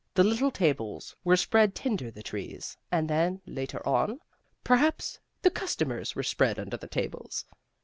The little tables were spread tinder the trees, and then, later on, perhaps, the customers were spread under the tables.